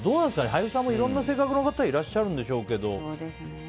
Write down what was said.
俳優さんでもいろんな性格の方がいらっしゃるんでしょうけど。